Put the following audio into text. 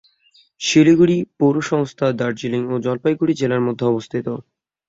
শিলিগুড়ি পৌরসংস্থা দার্জিলিং ও জলপাইগুড়ি জেলার মধ্যে অবস্থিত।